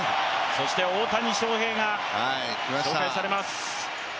そして大谷翔平が紹介されます。